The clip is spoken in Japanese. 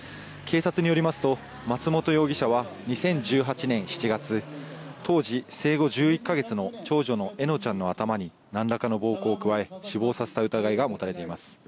警察によりますと松本容疑者は２０１８年７月当時生後１１か月の長女の笑乃ちゃんの頭になんらかの暴行を加え死亡させた疑いが持たれています。